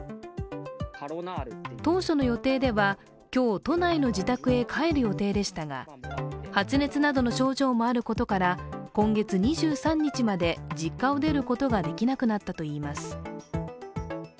当初の予定では今日、都内の自宅へ帰る予定でしたが、発熱などの症状もあることから今月２３日まで実家を出ることができなくなったといいます。